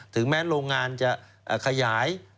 ถึงแม้โรงงานจะขยาย